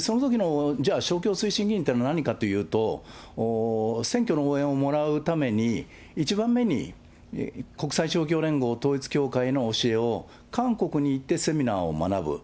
そのときの、じゃあ勝共推進議員というのは何かというと、選挙の応援をもらうために１番目に国際勝共連合統一教会の教えを、韓国に行ってセミナーを学ぶ。